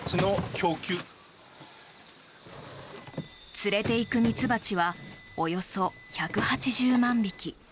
連れていくミツバチはおよそ１８０万匹。